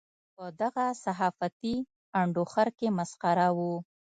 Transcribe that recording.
په دغه صحافتي انډوخر کې مسخره وو.